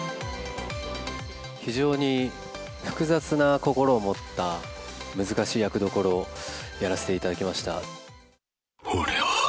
非常に複雑な心を持った難しい役どころをやらせていただきました。